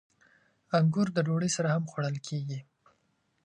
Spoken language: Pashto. • انګور د ډوډۍ سره هم خوړل کېږي.